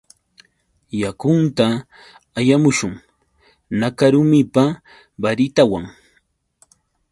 Yakunta allamushun. Nakarumipa baritawan